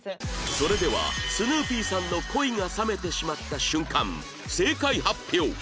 それではスヌーピーさんの恋が冷めてしまった瞬間正解発表